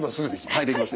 はいできます。